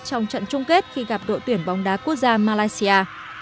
trong trận chung kết khi gặp đội tuyển bóng đá quốc gia malaysia